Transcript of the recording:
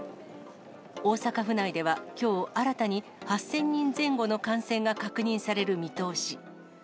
大阪府内ではきょう新たに、８０００人前後の感染が確認される見通し。